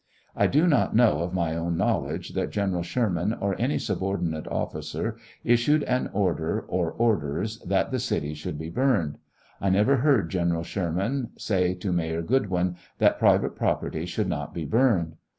I do not know of my own knowledge that General Sherman, or any subordinate' officer, issued an order (or orders) that the city should be burned. I never heard General Sherman say to Mayor Goodwyn that private property should not be burned.